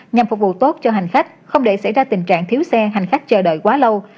nhằm phục vụ tốt cho hành khách không để xảy ra tình trạng thiếu xe hành khách chờ đợi quá lâu